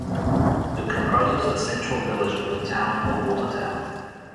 It comprises the central village of the town of Watertown.